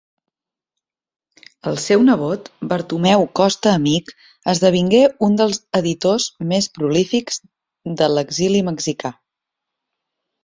El seu nebot, Bartomeu Costa-Amic, esdevingué un dels editors més prolífics de l'exili mexicà.